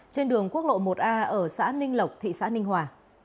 trên đường quốc lộ một a ở xã ninh lộc thị xã ninh hòa